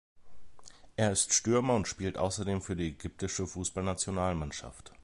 Er ist Stürmer und spielt außerdem für die ägyptische Fußballnationalmannschaft.